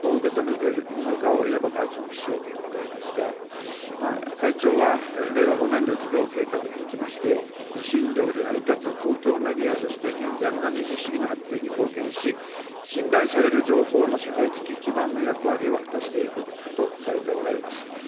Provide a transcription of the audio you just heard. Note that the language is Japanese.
こうした結果をどう受け止めているのかを稲葉会長にお聞きしようと思っておりますが、会長は令和５年度事業計画におきまして、受信料で成り立つ公共メディアとして、健全な民主主義の発展に貢献し、信頼される情報の社会的基盤の役割を果たしていくとされておられます。